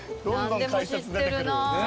何でも知ってるな。